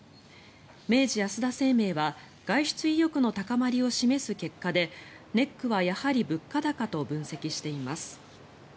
明治安田生命は外出意欲の高まりを示す結果でネックはやはり物価高と分析しています。